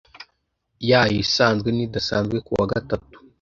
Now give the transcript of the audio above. yayo isanzwe n idasanzwe ku wa gatatu